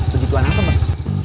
begituan apa bang